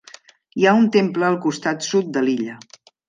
Hi ha un temple al costat sud de l'illa.